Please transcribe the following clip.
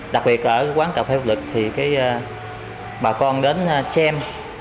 đặc biệt ở quán cà phê pháp luật thì bà con đến xem